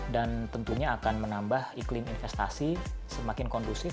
dan tentunya akan menambah iklim investasi semakin kondusif